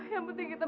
tidur di sini udah